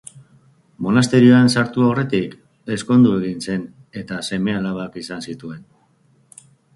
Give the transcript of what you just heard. Monasterioan sartu aurretik, ezkondu egin zen eta seme-alabak izan zituen.